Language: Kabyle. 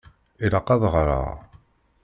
Ilaq ad ɣṛeɣ.